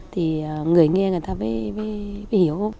thì người nghe người ta mới hiểu